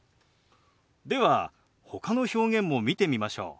ではほかの表現も見てみましょう。